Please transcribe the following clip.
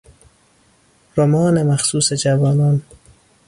رمان مخصوص جوانان